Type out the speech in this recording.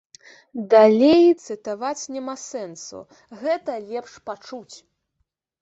Далей цытаваць няма сэнсу, гэта лепш пачуць.